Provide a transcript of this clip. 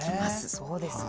そうです。